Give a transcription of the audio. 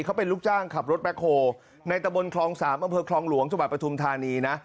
เขาเป็นลูกจ้างขับรถแบ็คโฮลในตะบนคลอง๓อำเภอคลองหลวงจังหวัดปฐุมธานีนะ